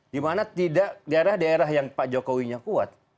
dimana tidak daerah daerah yang pak jokowi nya kuat